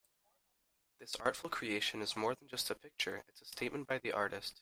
This artful creation is more than just a picture, it's a statement by the artist.